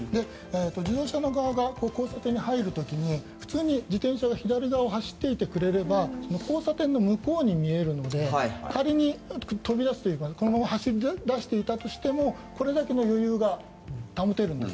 自動車側が交差点に入る時に普通に自転車が左側を走っていてくれれば交差点の向こう側に見えるので仮に飛び出すというか走り出していたとしてもこれだけの余裕が保てるんです。